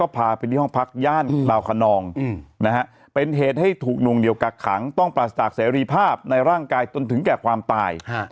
เป็นเหตุให้ถูกนวงเดี่ยวกักขังต้องปราศจากแสรีภาพในร่างกายต้นถึงแก่ความตาย